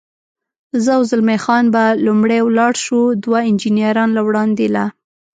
زه او زلمی خان به لومړی ولاړ شو، دوه انجنیران له وړاندې لا.